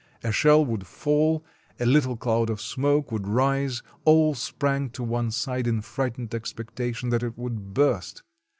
A shell would fall; a little cloud of smoke would rise ; all sprang to one side in frightened expecta tion that it would burst.